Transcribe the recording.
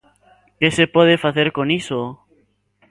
Que se pode facer con iso?